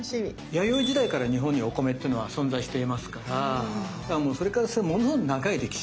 弥生時代から日本にお米ってのは存在していますからもうそれからものすごく長い歴史が。